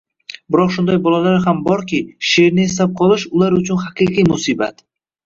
Biroq shunday bolalar ham borki, sheʼrni eslab qolish ular uchun haqiqiy musibat.